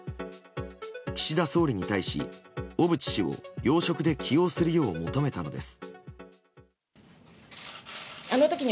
岸田総理に対し、小渕氏を要職で起用するよう求めたのです。